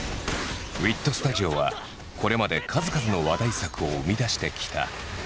ＷＩＴＳＴＵＤＩＯはこれまで数々の話題作を生み出してきた。